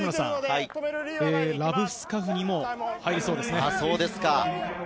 ラブスカフニも入りそうですね。